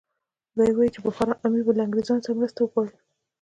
دی وایي چې د بخارا امیر به له انګریزانو مرسته وغواړي.